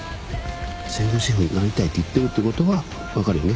専業主婦になりたいって言ってるってことは分かるよね？